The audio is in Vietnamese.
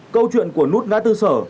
câu chuyện của nút ngã tư sở